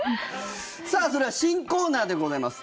さあ、それでは新コーナーでございます。